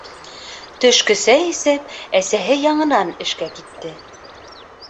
Төшкө сәй эсеп, әсәһе яңынан эшкә китте.